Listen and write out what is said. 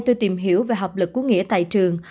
tôi tìm hiểu về học lực của nghĩa tại trường